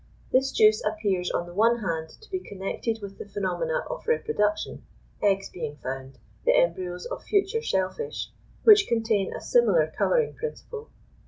This juice appears on the one hand to be connected with the phenomena of reproduction, eggs being found, the embryos of future shell fish, which contain a similar colouring principle.